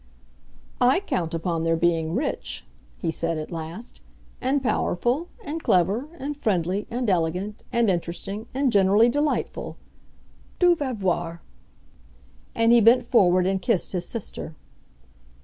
"I count upon their being rich," he said at last, "and powerful, and clever, and friendly, and elegant, and interesting, and generally delightful! Tu vas voir." And he bent forward and kissed his sister.